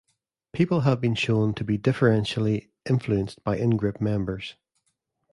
People have been shown to be differentially influenced by ingroup members.